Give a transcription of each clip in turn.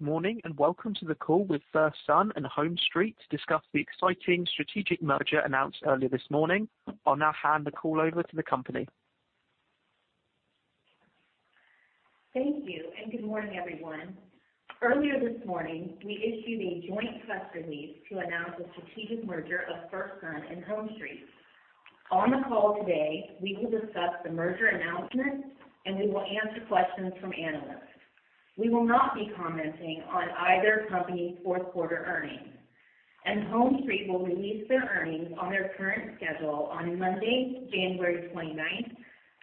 Good morning, and welcome to the call with FirstSun and HomeStreet to discuss the exciting strategic merger announced earlier this morning. I'll now hand the call over to the company. Thank you, and good morning, everyone. Earlier this morning, we issued a joint press release to announce the strategic merger of FirstSun and HomeStreet. On the call today, we will discuss the merger announcement, and we will answer questions from analysts. We will not be commenting on either company's fourth quarter earnings, and HomeStreet will release their earnings on their current schedule on Monday, January 29th,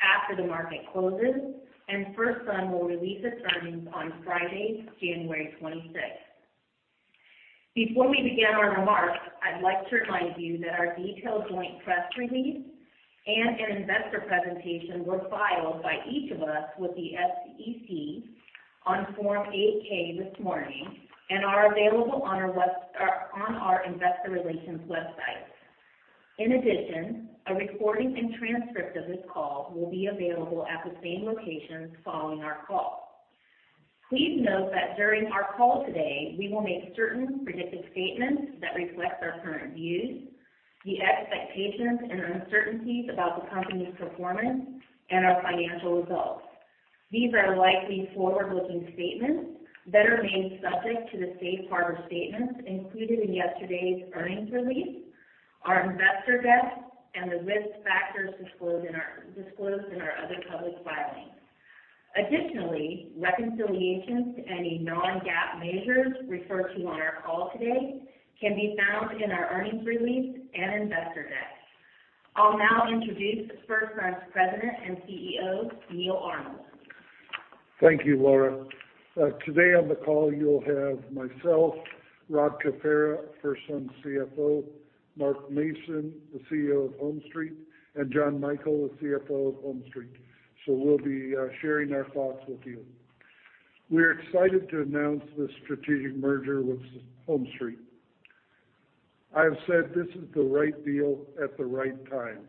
after the market closes, and FirstSun will release its earnings on Friday, January 26th. Before we begin our remarks, I'd like to remind you that our detailed joint press release and an investor presentation were filed by each of us with the SEC on Form 8-K this morning and are available on our investor relations website. In addition, a recording and transcript of this call will be available at the same location following our call. Please note that during our call today, we will make certain predictive statements that reflect our current views, the expectations and uncertainties about the company's performance, and our financial results. These are likely forward-looking statements that remain subject to the safe harbor statements included in yesterday's earnings release, our investor deck, and the risk factors disclosed in our other public filings. Additionally, reconciliations to any non-GAAP measures referred to on our call today can be found in our earnings release and investor deck. I'll now introduce FirstSun's President and CEO, Neal Arnold. Thank you, Laura. Today on the call, you'll have myself, Rob Cafera, FirstSun's CFO, Mark Mason, the CEO of HomeStreet, and John Michel, the CFO of HomeStreet. So we'll be sharing our thoughts with you. We're excited to announce this strategic merger with HomeStreet. I have said this is the right deal at the right time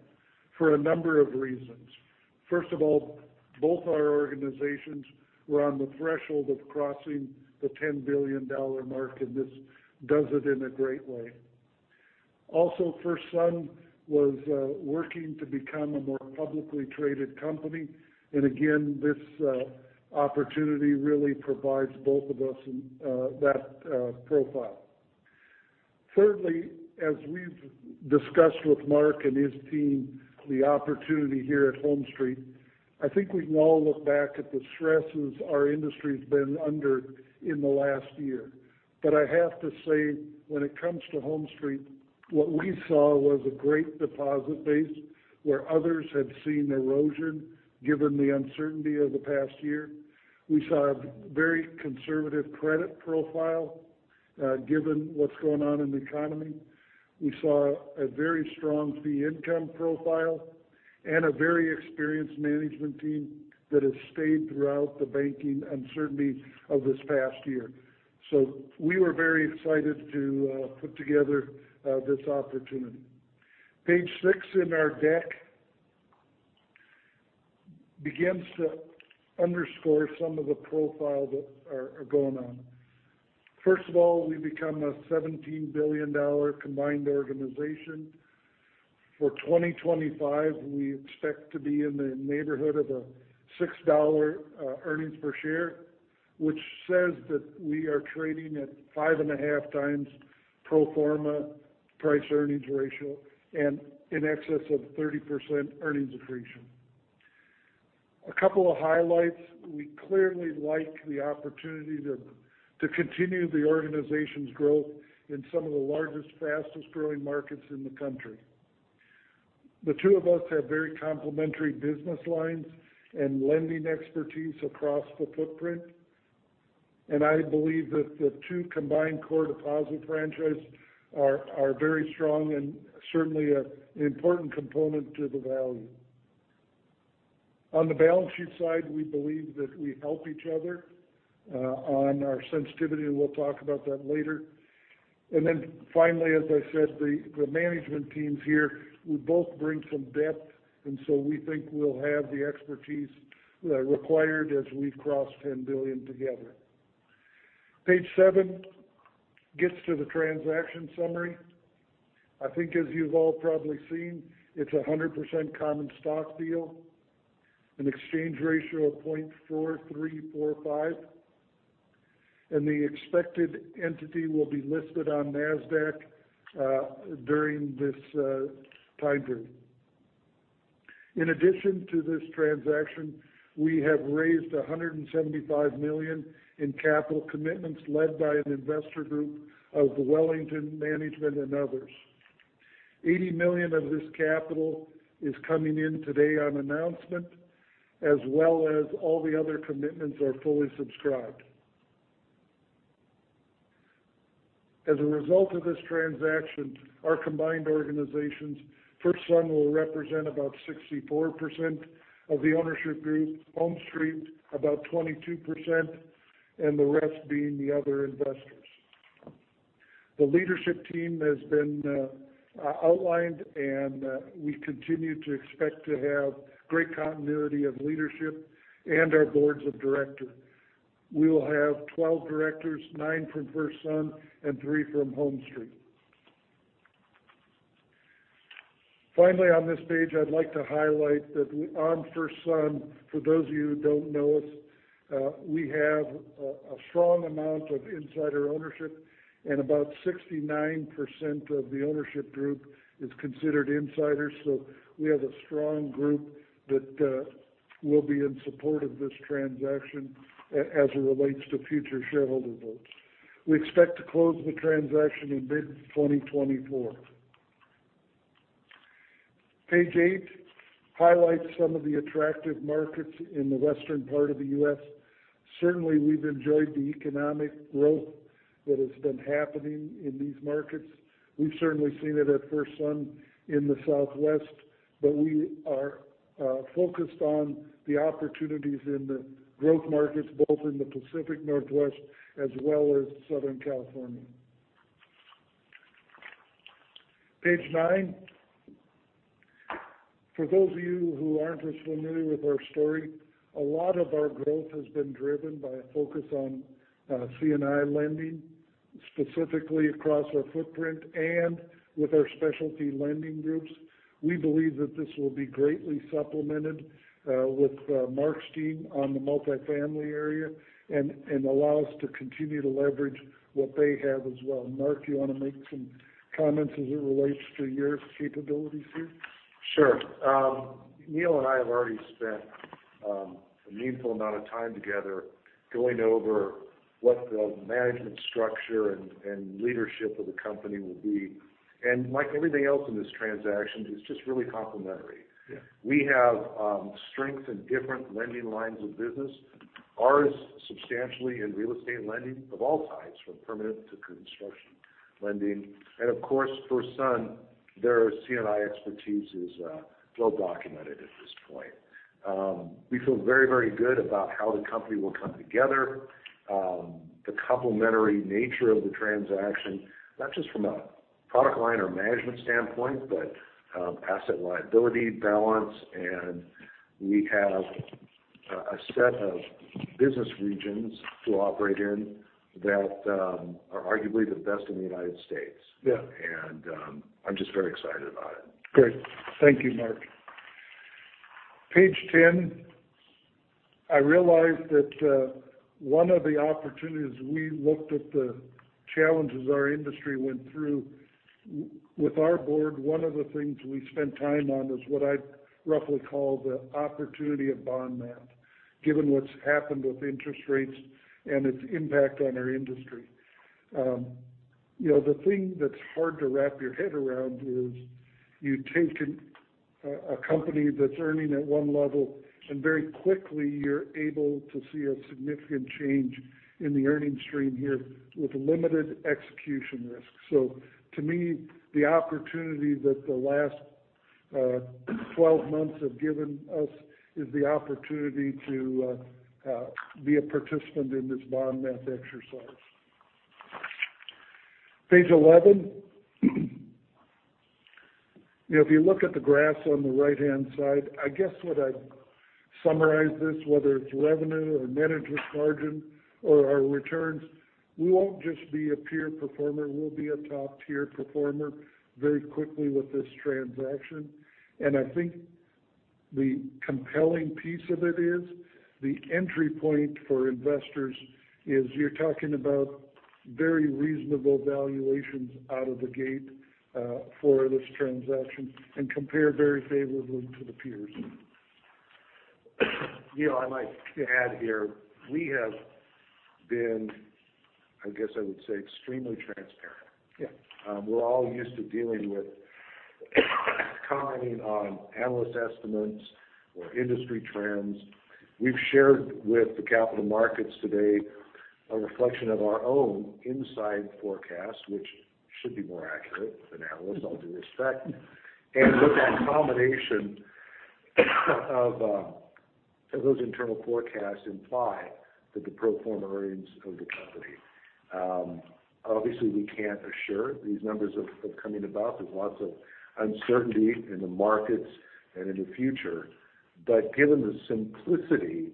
for a number of reasons. First of all, both our organizations were on the threshold of crossing the $10 billion mark, and this does it in a great way. Also, FirstSun was working to become a more publicly traded company. And again, this opportunity really provides both of us that profile. Thirdly, as we've discussed with Mark and his team, the opportunity here at HomeStreet, I think we can all look back at the stresses our industry's been under in the last year. But I have to say, when it comes to HomeStreet, what we saw was a great deposit base, where others had seen erosion, given the uncertainty of the past year. We saw a very conservative credit profile, given what's going on in the economy. We saw a very strong fee income profile and a very experienced management team that has stayed throughout the banking uncertainty of this past year. So we were very excited to put together this opportunity. Page six in our deck begins to underscore some of the profiles that are going on. First of all, we become a $17 billion combined organization. For 2025, we expect to be in the neighborhood of $6 earnings per share, which says that we are trading at 5.5x pro forma price earnings ratio and in excess of 30% earnings accretion. A couple of highlights. We clearly like the opportunity to continue the organization's growth in some of the largest, fastest-growing markets in the country. The two of us have very complementary business lines and lending expertise across the footprint, and I believe that the two combined core deposit franchises are very strong and certainly an important component to the value. On the balance sheet side, we believe that we help each other on our sensitivity, and we'll talk about that later. And then finally, as I said, the management teams here, we both bring some depth, and so we think we'll have the expertise required as we cross $10 billion together. Page seven gets to the transaction summary. I think as you've all probably seen, it's a 100% common stock deal, an exchange ratio of 0.4345, and the expected entity will be listed on NASDAQ during this time frame. In addition to this transaction, we have raised $175 million in capital commitments led by an investor group of the Wellington Management and others. $80 million of this capital is coming in today on announcement, as well as all the other commitments are fully subscribed. As a result of this transaction, our combined organizations, FirstSun, will represent about 64% of the ownership group, HomeStreet, about 22%, and the rest being the other investors. The leadership team has been outlined, and we continue to expect to have great continuity of leadership and our boards of directors. We will have 12 directors, nine from FirstSun and three from HomeStreet. Finally, on this page, I'd like to highlight that on FirstSun, for those of you who don't know us, we have a strong amount of insider ownership and about 69% of the ownership group is considered insiders. So we have a strong group that will be in support of this transaction as it relates to future shareholder votes. We expect to close the transaction in mid-2024. Page eight highlights some of the attractive markets in the western part of the U.S. Certainly, we've enjoyed the economic growth that has been happening in these markets. We've certainly seen it at FirstSun in the Southwest, but we are focused on the opportunities in the growth markets, both in the Pacific Northwest as well as Southern California. Page nine. For those of you who aren't as familiar with our story, a lot of our growth has been driven by a focus on C&I lending, specifically across our footprint and with our specialty lending groups. We believe that this will be greatly supplemented with Mark's team on the multifamily area and allow us to continue to leverage what they have as well. Mark, do you want to make some comments as it relates to your capabilities here? Sure. Neal and I have already spent a meaningful amount of time together going over what the management structure and leadership of the company will be. Like everything else in this transaction, it's just really complementary. Yeah. We have strength in different lending lines of business, ours substantially in real estate lending of all types, from permanent to construction lending. And of course, FirstSun, their C&I expertise is well documented at this point. We feel very, very good about how the company will come together, the complementary nature of the transaction, not just from a product line or management standpoint, but asset liability balance. And we have a set of business regions to operate in that are arguably the best in the United States. Yeah. I'm just very excited about it. Great. Thank you, Mark. Page 10. I realize that one of the opportunities, we looked at the challenges our industry went through. With our board, one of the things we spent time on is what I'd roughly call the opportunity of bond math, given what's happened with interest rates and its impact on our industry. You know, the thing that's hard to wrap your head around is you take a company that's earning at one level, and very quickly, you're able to see a significant change in the earning stream here with limited execution risk. So to me, the opportunity that the last twelve months have given us is the opportunity to be a participant in this bond math exercise. Page 11. You know, if you look at the graphs on the right-hand side, I guess what I'd summarize this, whether it's revenue or net interest margin or our returns, we won't just be a peer performer, we'll be a top-tier performer very quickly with this transaction. And I think the compelling piece of it is, the entry point for investors is you're talking about very reasonable valuations out of the gate, for this transaction and compare very favorably to the peers. Neal, I'd like to add here, we have been, I guess I would say, extremely transparent. Yeah. We're all used to dealing with commenting on analyst estimates or industry trends. We've shared with the capital markets today a reflection of our own inside forecast, which should be more accurate than analysts, all due respect. And what that combination of those internal forecasts imply that the pro forma earnings of the company. Obviously, we can't assure these numbers of coming about. There's lots of uncertainty in the markets and in the future. But given the simplicity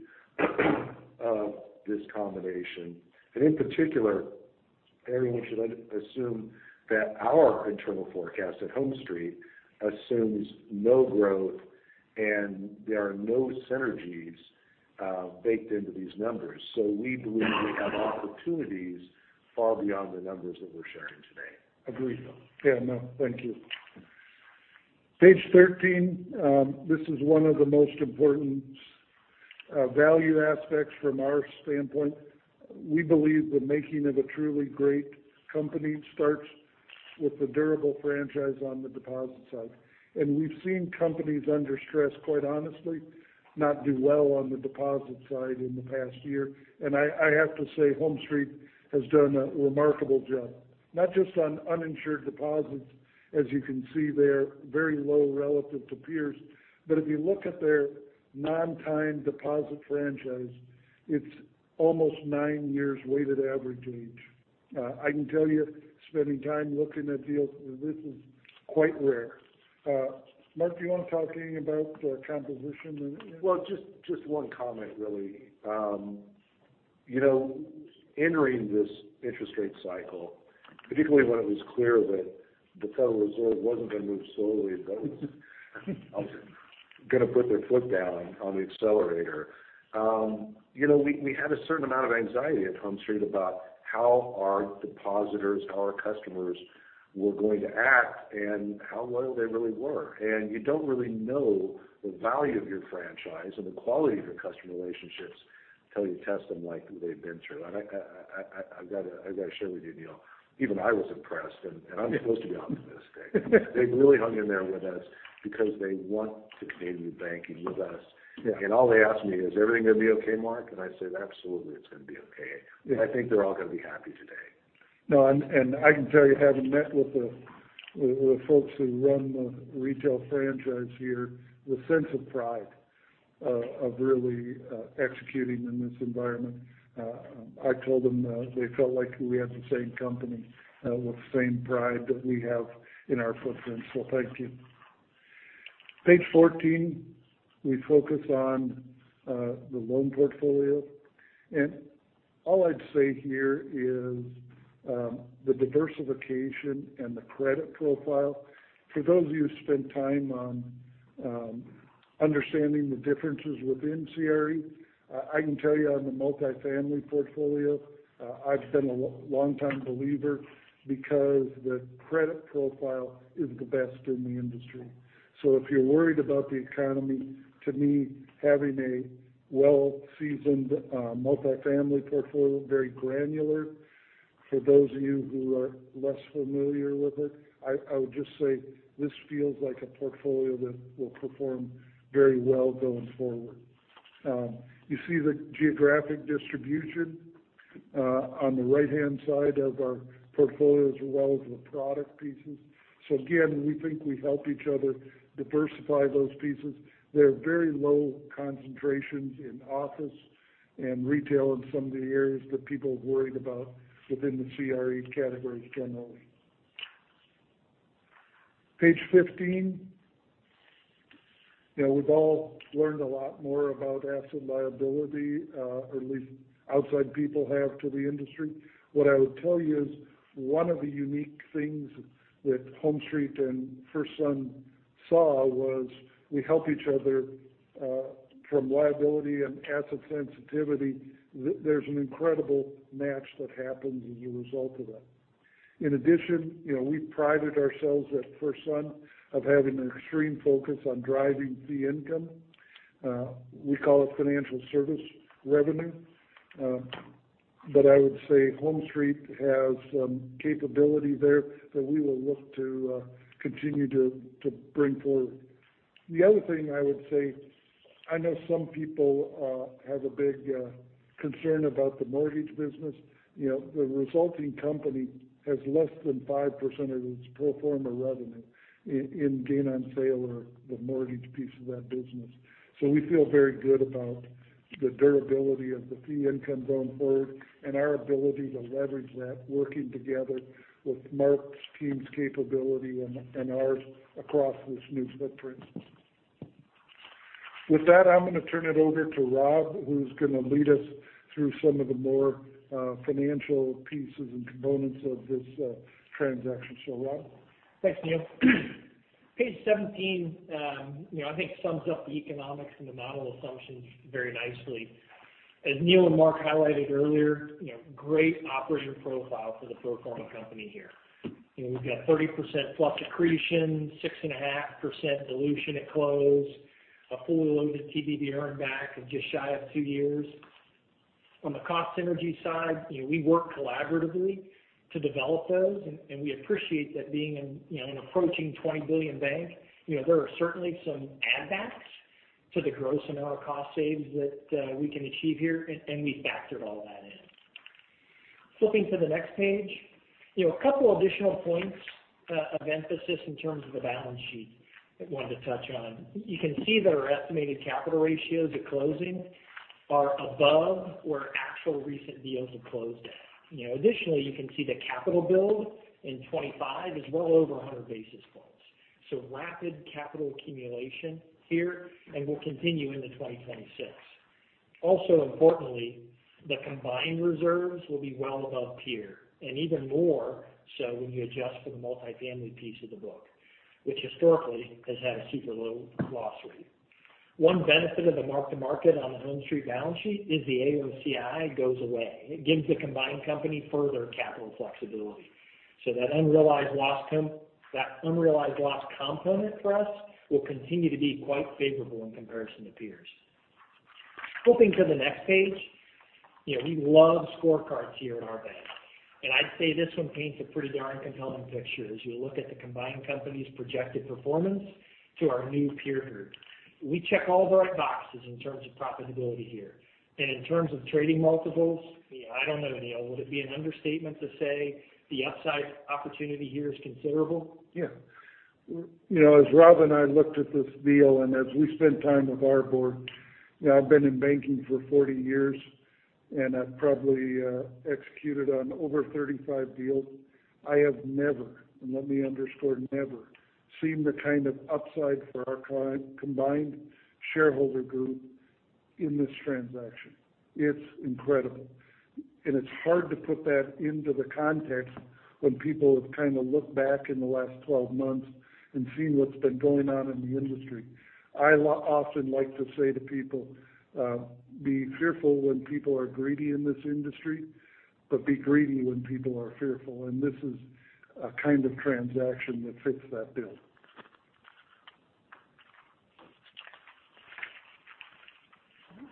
of this combination, and in particular, everyone should understand that our internal forecast at HomeStreet assumes no growth and there are no synergies baked into these numbers. So we believe we have opportunities far beyond the numbers that we're sharing today. Agreed. Yeah, no, thank you. Page 13. This is one of the most important value aspects from our standpoint. We believe the making of a truly great company starts with a durable franchise on the deposit side. And we've seen companies under stress, quite honestly, not do well on the deposit side in the past year. And I have to say HomeStreet has done a remarkable job, not just on uninsured deposits, as you can see, they're very low relative to peers. But if you look at their non-time deposit franchise, it's almost nine years weighted average age. I can tell you, spending time looking at deals, this is quite rare. Mark, do you want to talk anything about the composition and- Well, just, just one comment, really. You know, entering this interest rate cycle, particularly when it was clear that the Federal Reserve wasn't going to move slowly, but was going to put their foot down on the accelerator. You know, we, we had a certain amount of anxiety at HomeStreet about how our depositors, our customers, were going to act and how well they really were. And you don't really know the value of your franchise and the quality of your customer relationships until you test them like they've been through. I've got to, I've got to share with you, Neil, even I was impressed, and, and I'm supposed to be optimistic. They really hung in there with us because they want to continue banking with us. Yeah. All they ask me is, "Is everything going to be okay, Mark?" And I said, "Absolutely, it's going to be okay. Yeah. I think they're all going to be happy today. No, and I can tell you, having met with the folks who run the retail franchise here, the sense of pride of really executing in this environment, I told them they felt like we had the same company with the same pride that we have in our footprint. So thank you. Page 14, we focus on the loan portfolio. And all I'd say here is the diversification and the credit profile. For those of you who spent time on understanding the differences within CRE, I can tell you on the multifamily portfolio, I've been a long time believer because the credit profile is the best in the industry. So if you're worried about the economy, to me, having a well-seasoned multifamily portfolio, very granular. For those of you who are less familiar with it, I, I would just say this feels like a portfolio that will perform very well going forward. You see the geographic distribution on the right-hand side of our portfolio, as well as the product pieces. So again, we think we help each other diversify those pieces. There are very low concentrations in office and retail in some of the areas that people have worried about within the CRE categories generally. Page 15. You know, we've all learned a lot more about asset liability, at least outside people have to the industry. What I would tell you is, one of the unique things that HomeStreet and FirstSun saw was, we help each other from liability and asset sensitivity. There's an incredible match that happens as a result of that? In addition, you know, we prided ourselves at FirstSun of having an extreme focus on driving fee income. We call it financial service revenue. But I would say HomeStreet has some capability there that we will look to continue to bring forward. The other thing I would say, I know some people have a big concern about the mortgage business. You know, the resulting company has less than 5% of its pro forma revenue in gain on sale or the mortgage piece of that business. So we feel very good about the durability of the fee income going forward, and our ability to leverage that, working together with Mark's team's capability and ours across this new footprint. With that, I'm going to turn it over to Rob, who's going to lead us through some of the more financial pieces and components of this transaction. So, Rob? Thanks, Neal. Page 17, you know, I think sums up the economics and the model assumptions very nicely. As Neal and Mark highlighted earlier, you know, great operation profile for the pro forma company here. You know, we've got 30%+ accretion, 6.5% dilution at close, a fully loaded TB earn back of just shy of two years. On the cost synergy side, you know, we worked collaboratively to develop those, and, and we appreciate that being an, you know, an approaching $20 billion bank, you know, there are certainly some add backs to the gross amount of cost saves that we can achieve here, and, and we factored all that in. Flipping to the next page. You know, a couple additional points of emphasis in terms of the balance sheet, I wanted to touch on. You can see that our estimated capital ratios at closing are above where actual recent deals have closed at. You know, additionally, you can see the capital build in 2025 is well over 100 basis points. So rapid capital accumulation here, and will continue into 2026. Also, importantly, the combined reserves will be well above peer, and even more so when you adjust for the multifamily piece of the book, which historically has had a super low loss rate. One benefit of the mark to market on the HomeStreet balance sheet is the AOCI goes away. It gives the combined company further capital flexibility. So that unrealized loss component for us, will continue to be quite favorable in comparison to peers. Flipping to the next page. You know, we love scorecards here at our bank, and I'd say this one paints a pretty darn compelling picture as you look at the combined company's projected performance to our new peer group. We check all the right boxes in terms of profitability here. In terms of trading multiples... I don't know, Neal, would it be an understatement to say the upside opportunity here is considerable? Yeah. You know, as Rob and I looked at this deal, and as we spent time with our board, you know, I've been in banking for 40 years, and I've probably executed on over 35 deals. I have never, and let me underscore, never seen the kind of upside for our client-combined shareholder group in this transaction. It's incredible. And it's hard to put that into the context when people have kind of looked back in the last 12 months and seen what's been going on in the industry. I often like to say to people, be fearful when people are greedy in this industry, but be greedy when people are fearful. And this is a kind of transaction that fits that bill.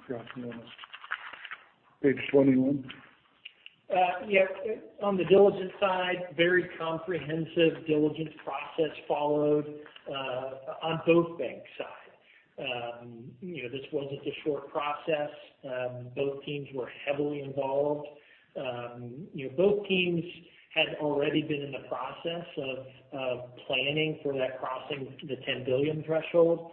Forgot Page 21. Yeah, on the diligence side, very comprehensive diligence process followed on both bank sides. You know, this wasn't a short process. Both teams were heavily involved. You know, both teams had already been in the process of, of planning for that crossing the $10 billion threshold.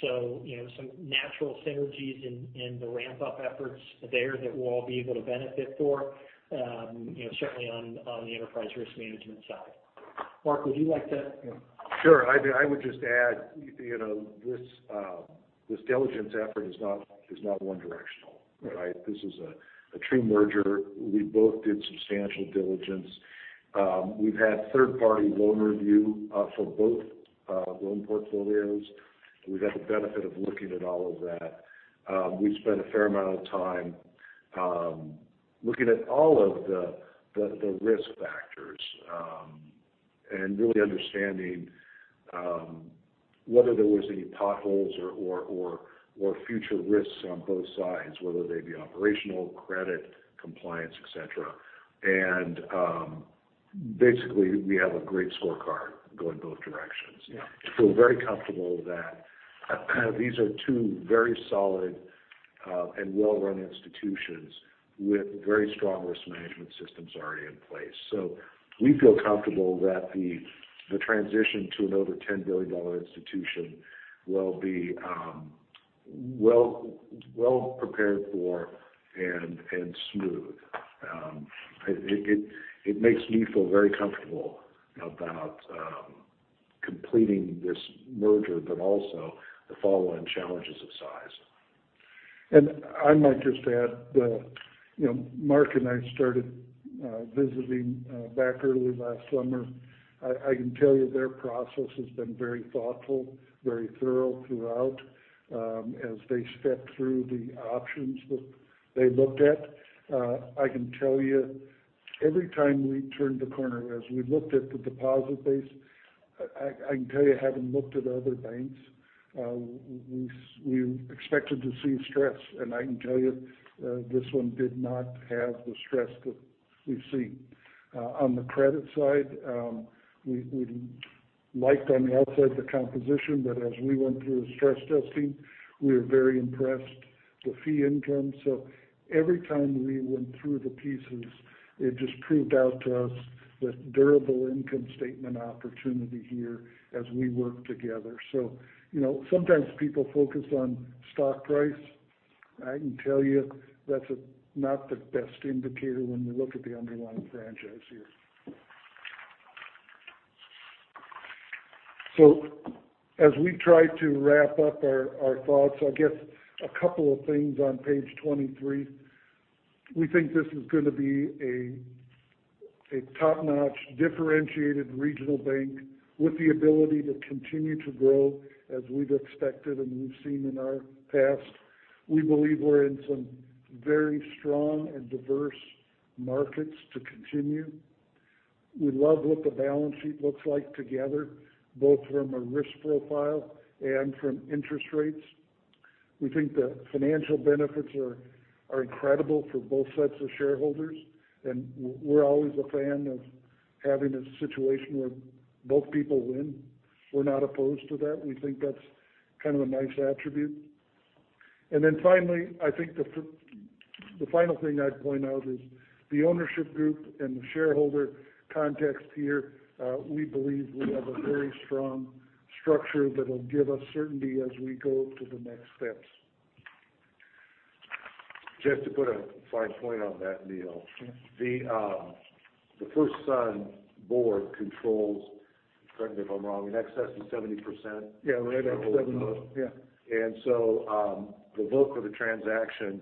So, you know, some natural synergies in, in the ramp-up efforts there that we'll all be able to benefit for, you know, certainly on, on the enterprise risk management side. Mark, would you like to? Sure. I would just add, you know, this diligence effort is not one directional, right? This is a true merger. We both did substantial diligence. We've had third-party loan review for both loan portfolios. We've had the benefit of looking at all of that. We spent a fair amount of time looking at all of the risk factors and really understanding whether there was any potholes or future risks on both sides, whether they be operational, credit, compliance, et cetera. And basically, we have a great scorecard going both directions. Yeah. So we're very comfortable that these are two very solid and well-run institutions with very strong risk management systems already in place. So we feel comfortable that the transition to an over $10 billion institution will be well prepared for and smooth. It makes me feel very comfortable about completing this merger, but also the following challenges of size. I might just add, you know, Mark and I started visiting back early last summer. I can tell you their process has been very thoughtful, very thorough throughout, as they stepped through the options that they looked at. I can tell you, every time we turned the corner, as we looked at the deposit base, I can tell you, having looked at other banks, we expected to see stress, and I can tell you, this one did not have the stress that we've seen. On the credit side, we liked on the outside the composition, but as we went through the stress testing, we were very impressed with fee income. So every time we went through the pieces, it just proved out to us the durable income statement opportunity here as we work together. So, you know, sometimes people focus on stock price. I can tell you that's not the best indicator when you look at the underlying franchise here. So as we try to wrap up our thoughts, I guess a couple of things on page 23. We think this is going to be a top-notch, differentiated regional bank with the ability to continue to grow as we've expected and we've seen in our past. We believe we're in some very strong and diverse markets to continue. We love what the balance sheet looks like together, both from a risk profile and from interest rates. We think the financial benefits are incredible for both sets of shareholders, and we're always a fan of having a situation where both people win. We're not opposed to that. We think that's kind of a nice attribute. Then finally, I think the final thing I'd point out is the ownership group and the shareholder context here. We believe we have a very strong structure that'll give us certainty as we go to the next steps. Just to put a fine point on that, Neal. Sure. The FirstSun Board controls, correct me if I'm wrong, in excess of 70%? Yeah, right at seven. Yeah. And so, the vote for the transaction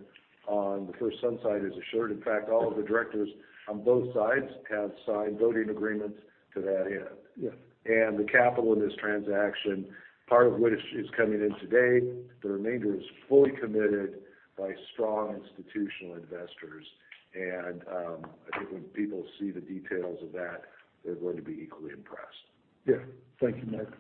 on the FirstSun side is assured. In fact, all of the directors on both sides have signed voting agreements to that end. Yeah. The capital in this transaction, part of which is coming in today, the remainder is fully committed by strong institutional investors. I think when people see the details of that, they're going to be equally impressed. Yeah. Thank you, Mark.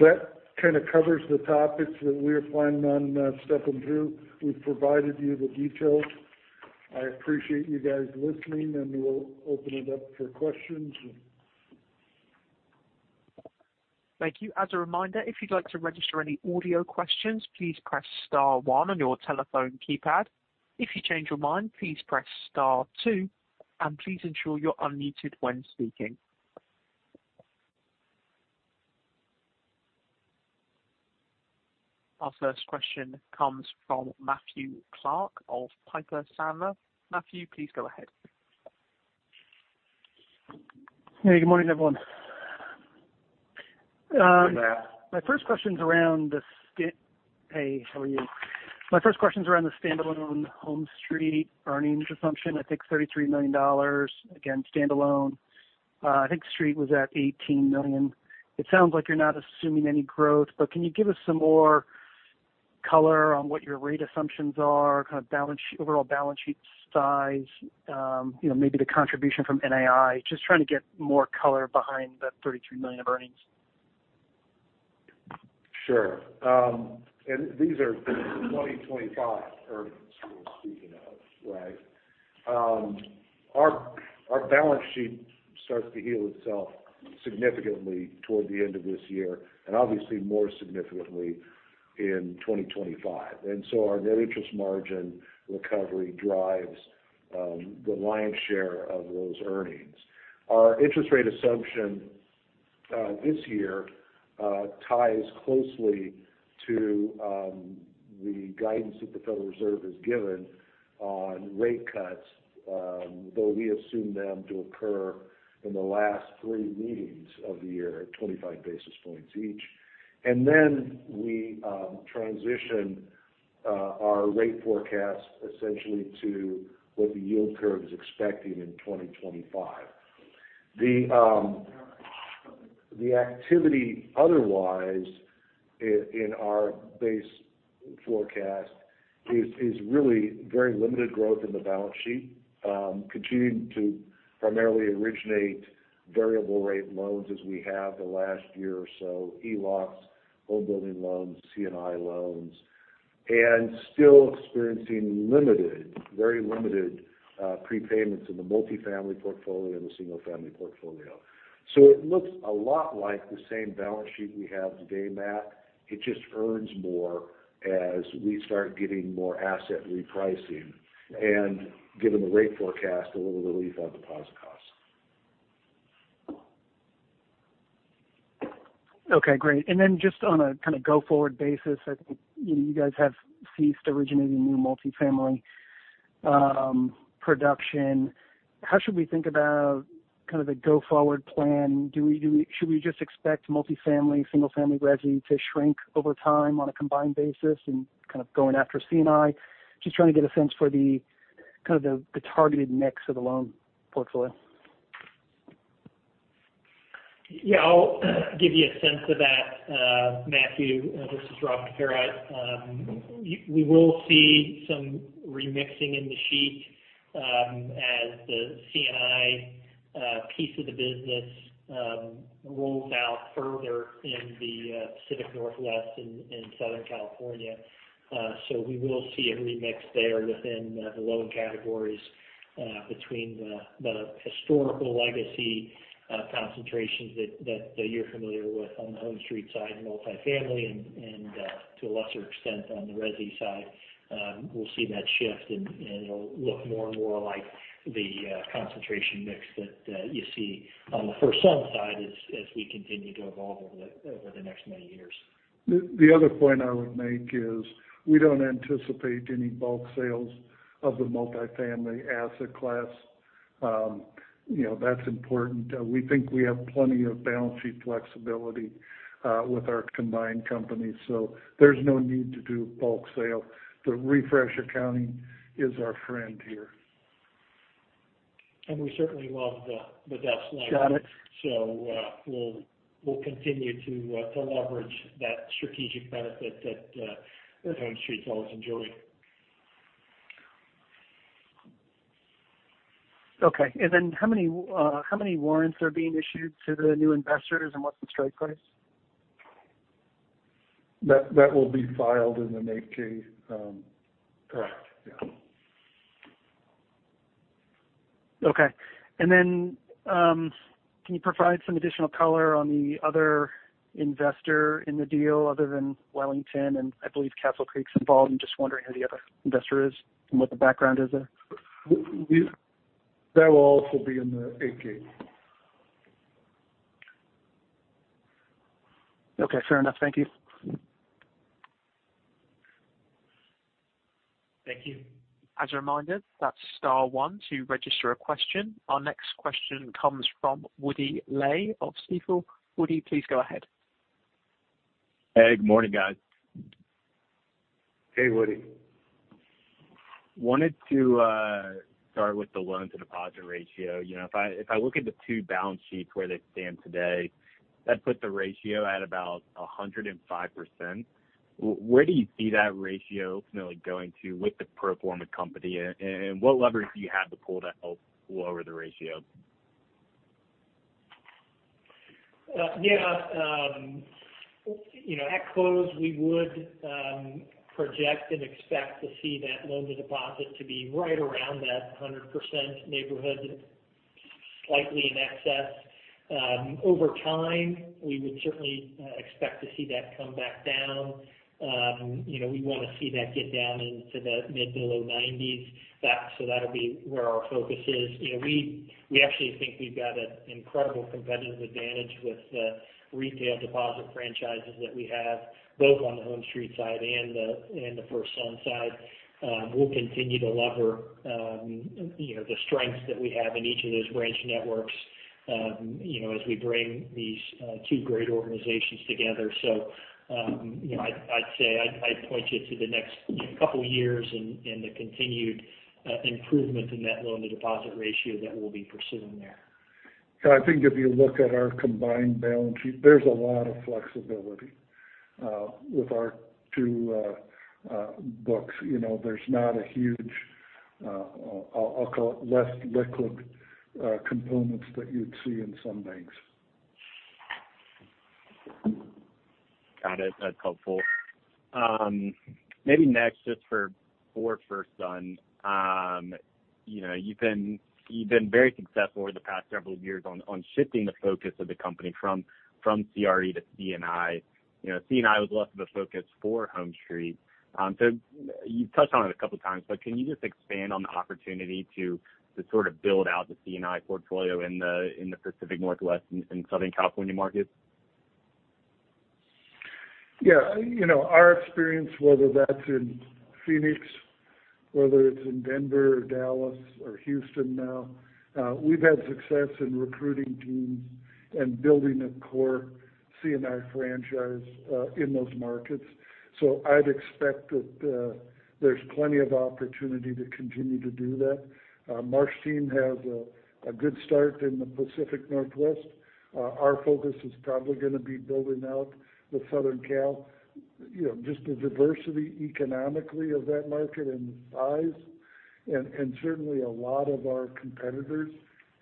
That kind of covers the topics that we were planning on stepping through. We've provided you the details. I appreciate you guys listening, and we'll open it up for questions. Thank you. As a reminder, if you'd like to register any audio questions, please press star one on your telephone keypad. If you change your mind, please press star two, and please ensure you're unmuted when speaking. Our first question comes from Matthew Clark of Piper Sandler. Matthew, please go ahead. Hey, good morning, everyone. Hey, Matt. My first question is around the hey, how are you? My first question is around the standalone HomeStreet earnings assumption. I think $33 million, again, standalone. I think Street was at $18 million. It sounds like you're not assuming any growth, but can you give us some more color on what your rate assumptions are, kind of balance, overall balance sheet size, you know, maybe the contribution from NII? Just trying to get more color behind the $33 million of earnings. Sure. And these are the 2025 earnings we're speaking of, right? Our balance sheet starts to heal itself significantly toward the end of this year, and obviously more significantly in 2025. And so our net interest margin recovery drives the lion's share of those earnings. Our interest rate assumption this year ties closely to the guidance that the Federal Reserve has given on rate cuts, though we assume them to occur in the last three meetings of the year at 25 basis points each. And then we transition our rate forecast essentially to what the yield curve is expecting in 2025. The activity otherwise in our base forecast is really very limited growth in the balance sheet, continuing to primarily originate variable rate loans as we have the last year or so, ELOCs, homebuilding loans, C&I loans, and still experiencing limited, very limited, prepayments in the multifamily portfolio and the single-family portfolio. So it looks a lot like the same balance sheet we have today, Matt. It just earns more as we start getting more asset repricing and given the rate forecast, a little relief on deposit costs. Okay, great. And then just on a kind of go-forward basis, I think you guys have ceased originating new multifamily production. How should we think about kind of the go-forward plan? Should we just expect multifamily, single family resi to shrink over time on a combined basis and kind of going after C&I? Just trying to get a sense for the targeted mix of the loan portfolio. Yeah, I'll give you a sense of that, Matthew. This is Rob Cafera. We will see some remixing in the sheet, as the C&I piece of the business rolls out further in the Pacific Northwest and Southern California. So we will see a remix there within the loan categories, between the historical legacy concentrations that you're familiar with on the HomeStreet side, multifamily and to a lesser extent on the resi side. We'll see that shift and it'll look more and more like the concentration mix that you see on the FirstSun side as we continue to evolve over the next many years. The other point I would make is we don't anticipate any bulk sales of the multifamily asset class. You know, that's important. We think we have plenty of balance sheet flexibility with our combined companies, so there's no need to do bulk sale. The refresh accounting is our friend here. We certainly love the depth line. Got it. We'll continue to leverage that strategic benefit that HomeStreet's always enjoyed. Okay. And then how many warrants are being issued to the new investors, and what's the strike price? That, that will be filed in an 8-K, correct. Yeah. Okay. And then, can you provide some additional color on the other investor in the deal other than Wellington? And I believe Capital Creek is involved. I'm just wondering who the other investor is and what the background is there. That will also be in the 8-K. Okay, fair enough. Thank you. Thank you. As a reminder, that's star one to register a question. Our next question comes from Woody Lay of Stifel. Woody, please go ahead. Hey, good morning, guys. Hey, Woody. Wanted to start with the loan-to-deposit ratio. You know, if I look at the two balance sheets where they stand today, that puts the ratio at about 105%. Where do you see that ratio ultimately going to with the pro forma company, and what leverage do you have to pull to help lower the ratio? Yeah, you know, at close, we would project and expect to see that loan-to-deposit to be right around that 100% neighborhood, slightly in excess. Over time, we would certainly expect to see that come back down. You know, we want to see that get down into the mid- to low 90s. So that'll be where our focus is. You know, we actually think we've got an incredible competitive advantage with the retail deposit franchises that we have, both on the HomeStreet side and the FirstSun side. We'll continue to leverage, you know, the strengths that we have in each of those branch networks, you know, as we bring these two great organizations together. You know, I'd say I'd point you to the next couple of years and the continued improvement in that loan-to-deposit ratio that we'll be pursuing there. I think if you look at our combined balance sheet, there's a lot of flexibility with our two books. You know, there's not a huge, I'll call it, less liquid components that you'd see in some banks. Got it. That's helpful. Maybe next, just for FirstSun, you know, you've been very successful over the past several years on shifting the focus of the company from CRE to C&I. You know, C&I was less of a focus for HomeStreet. So you've touched on it a couple of times, but can you just expand on the opportunity to sort of build out the C&I portfolio in the Pacific Northwest and Southern California markets? Yeah, you know, our experience, whether that's in Phoenix, whether it's in Denver or Dallas or Houston now, we've had success in recruiting teams and building a core C&I franchise in those markets. So I'd expect that there's plenty of opportunity to continue to do that. Mark's team has a good start in the Pacific Northwest. Our focus is probably going to be building out the Southern Cal. You know, just the diversity economically of that market and the size, and certainly a lot of our competitors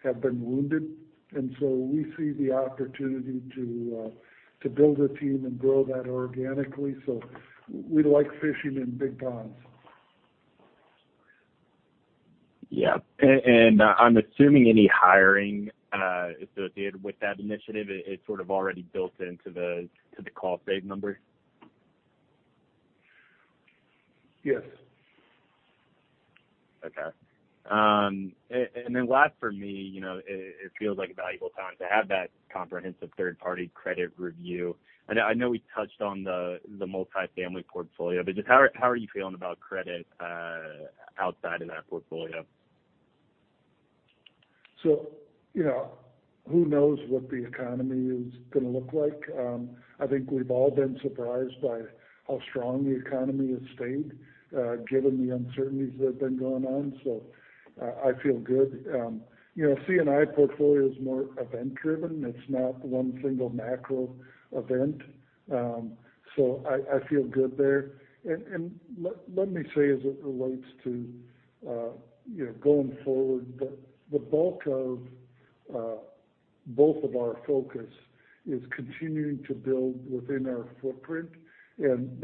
have been wounded, and so we see the opportunity to build a team and grow that organically. So we like fishing in big ponds. Yeah. And I'm assuming any hiring associated with that initiative, it's sort of already built into the cost savings numbers? Yes. Okay. And then last for me, you know, it feels like a valuable time to have that comprehensive third-party credit review. I know we touched on the multifamily portfolio, but just how are you feeling about credit outside of that portfolio? So, you know, who knows what the economy is going to look like? I think we've all been surprised by how strong the economy has stayed, given the uncertainties that have been going on. So I feel good. You know, C&I portfolio is more event driven. It's not one single macro event, so I feel good there. And let me say, as it relates to, you know, going forward, the bulk of both of our focus is continuing to build within our footprint, and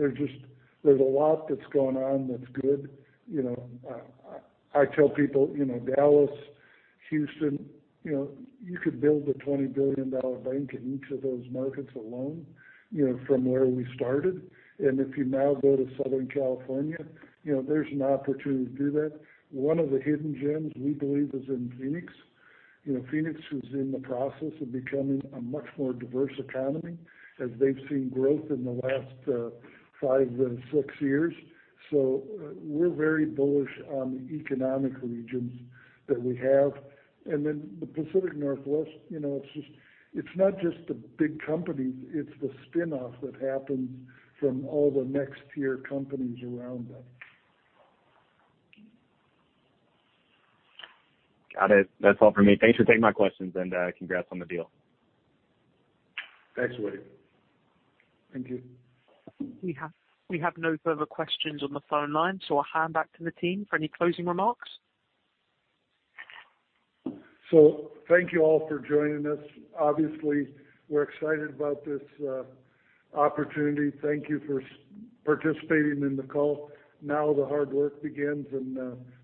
there's just a lot that's going on that's good. You know, I tell people, you know, Dallas, Houston, you know, you could build a $20 billion bank in each of those markets alone, you know, from where we started. If you now go to Southern California, you know, there's an opportunity to do that. One of the hidden gems we believe is in Phoenix. You know, Phoenix is in the process of becoming a much more diverse economy, as they've seen growth in the last five and six years. We're very bullish on the economic regions that we have. Then the Pacific Northwest, you know, it's just, it's not just the big companies, it's the spin-off that happens from all the next tier companies around them. Got it. That's all for me. Thanks for taking my questions, and, congrats on the deal. Thanks, Woody. Thank you. We have no further questions on the phone line, so I'll hand back to the team for any closing remarks. Thank you all for joining us. Obviously, we're excited about this opportunity. Thank you for participating in the call. Now the hard work begins, and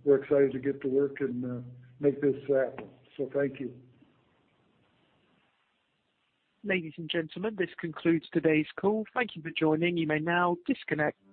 we're excited to get to work and make this happen. Thank you. Ladies and gentlemen, this concludes today's call. Thank you for joining. You may now disconnect.